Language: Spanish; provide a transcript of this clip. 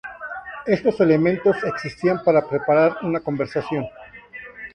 Estos elementos existían para preparar una conversación.